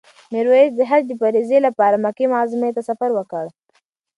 میرویس د حج د فریضې لپاره مکې معظمې ته سفر وکړ.